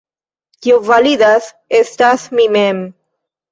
Kio validas, estas mi mem.